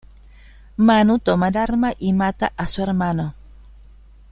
Manu toma el arma y mata a su hermano.